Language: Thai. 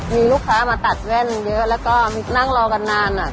มีลูกค้ามาตัดแว่นเยอะแล้วก็นั่งรอกันนานอ่ะ